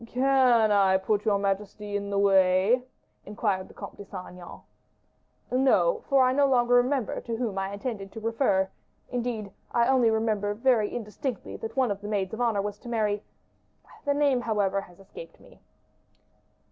"Can I put your majesty in the way?" inquired the Comte de Saint Aignan. "No; for I no longer remember to whom I intended to refer; indeed, I only remember very indistinctly, that one of the maids of honor was to marry the name, however, has escaped me."